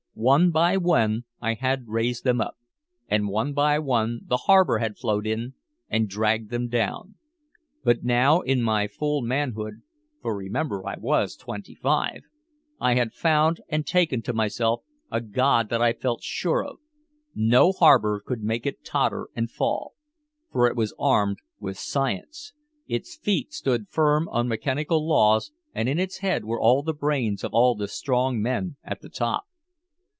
One by one I had raised them up, and one by one the harbor had flowed in and dragged them down. But now in my full manhood (for remember I was twenty five!) I had found and taken to myself a god that I felt sure of. No harbor could make it totter and fall. For it was armed with Science, its feet stood firm on mechanical laws and in its head were all the brains of all the strong men at the top.